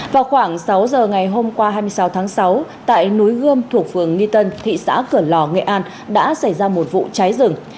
vào khoảng sáu giờ ngày hôm qua hai mươi sáu tháng sáu tại núi gươm thuộc phường nghi tân thị xã cửa lò nghệ an đã xảy ra một vụ cháy rừng